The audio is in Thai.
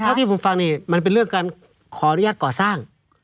เท่าที่ผมฟังนี่มันเป็นเรื่องการขออนุญาตก่อสร้าง